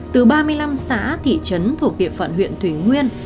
từ ba mươi năm xã thị trấn thuộc địa phận huyện thủy nguyên